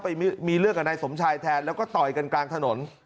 ไปมีเรื่องกับนายสมชายแทนแล้วก็ต่อยกันกลางถนน